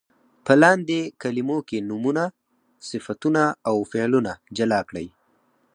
په لاندې کلمو کې نومونه، صفتونه او فعلونه جلا کړئ.